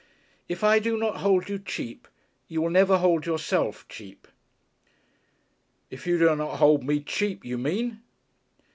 "If I do not hold you cheap, you will never hold yourself cheap " "If you do not hold me cheap, you mean?"